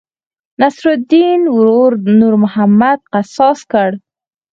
نصرالیدن ورور نور محمد قصاص کړ.